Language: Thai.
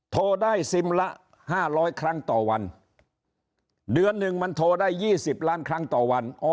โทรได้ซิมละ๕๐๐ครั้งต่อวันเดือนหนึ่งมันโทรได้๒๐ล้านครั้งต่อวัน